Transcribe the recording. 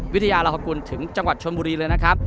วิทยาลาฮกุลถึงจังหวัดชนบุรีเลยนะครับ